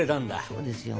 そうですよ。